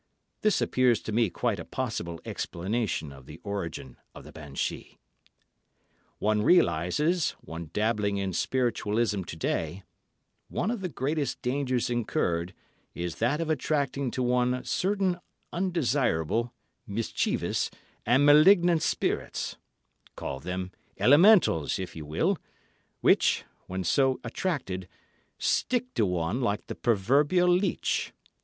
This appears to me quite a possible explanation of the origin of the banshee. "One realizes, when dabbling in spiritualism to day, one of the greatest dangers incurred is that of attracting to one certain undesirable, mischievous, and malignant spirits—call them elementals if you will—which, when so attracted, stick to one like the proverbial leech.